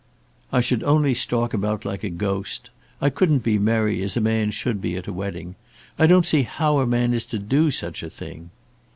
"I should only stalk about like a ghost. I couldn't be merry as a man should be at a wedding. I don't see how a man is to do such a thing."